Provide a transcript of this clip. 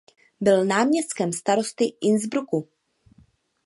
Byl náměstkem starosty Innsbrucku.